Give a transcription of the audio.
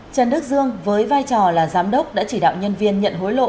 trần đức dương với vai trò là giám đốc đã chỉ đạo nhân viên nhận hối lộ